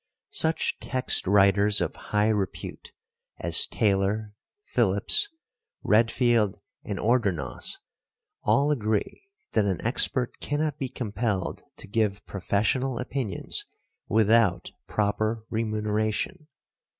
Such text writers of high repute as Taylor, Phillips, Redfield and Ordronaux, all agree that an expert cannot be compelled to give professional opinions without proper remuneration.